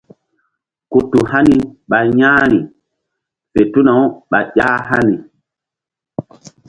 Ku tu hani ɓa ƴa̧h ri fe tuna-u ɓa gel ƴah hani.